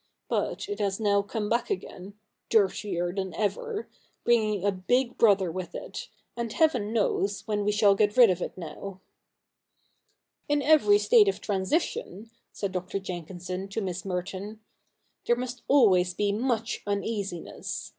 But it has now come back again, dirtier than ever, bringing a big brother with it, and Heaven knows when we shall get rid of it now.' CH. Ill] THE NEW REPUBLIC 41 ' In ever)' state of transition,' said Dr. Jenkinson to Miss Merton, 'there must always be much uneasiness.